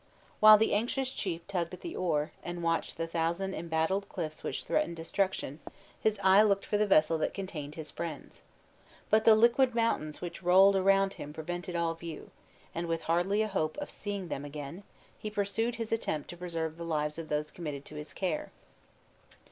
While the anxious chief tugged at the oar, and watched the thousand embattled cliffs which threatened destruction, his eye looked for the vessel that contained his friends. But the liquid mountains which rolled around him prevented all view; and, with hardly a hope of seeing them again, he pursued his attempt to preserve the lives of those committed to his care.